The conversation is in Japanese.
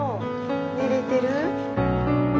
寝れてる？